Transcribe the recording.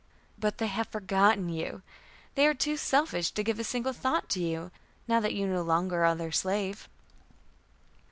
"But they have forgotten you. They are too selfish to give a single thought to you, now that you no longer are their slave."